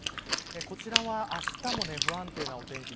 こちらはあしたも不安定なお天気